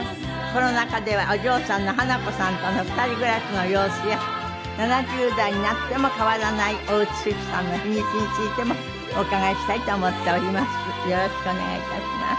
コロナ禍ではお嬢さんの華子さんとの２人暮らしの様子や７０代になっても変わらないお美しさの秘密についてもお伺いしたいと思っております。